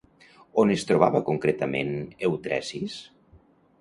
On es trobava concretament Eutresis?